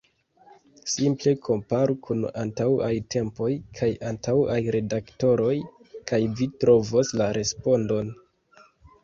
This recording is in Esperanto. Simple komparu kun antauaj tempoj kaj antauaj redaktoroj kaj vi trovos la respondon.